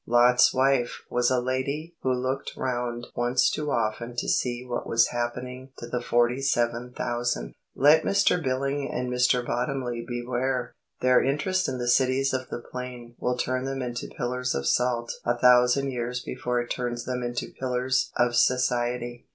Lot's wife was a lady who looked round once too often to see what was happening to the forty seven thousand. Let Mr Billing and Mr Bottomley beware. Their interest in the Cities of the Plain will turn them into pillars of salt a thousand years before it turns them into pillars of society.